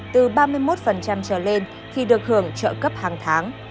từ ba mươi một trở lên thì được hưởng trợ cấp hàng tháng